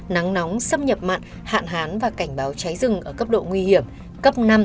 nắng nóng xâm nhập mặn hạn hán và cảnh báo cháy rừng ở cấp độ nguy hiểm cấp năm